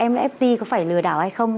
nft có phải lừa đảo hay không